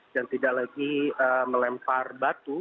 dan tidak lagi melempar batu